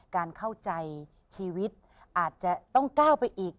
การเข้าใจชีวิตอาจจะต้องก้าวไปอีก